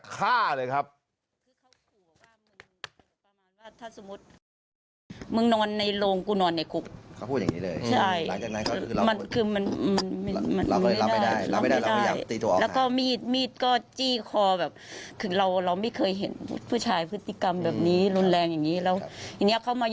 คราวนี้ขู่จากข้าเลยครับ